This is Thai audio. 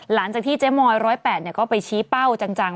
หลังจากที่เจ๊มอย๑๐๘ก็ไปชี้เป้าจัง